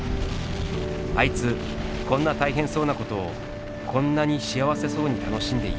「あいつこんな大変そうなことをこんなに幸せそうに楽しんでいやがる」。